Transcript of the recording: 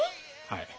はい。